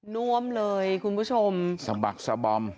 น่วมเลยคุณผู้ชมสะบักสะบอม